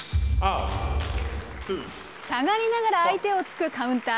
下がりながら相手を突くカウンター。